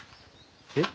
えっ？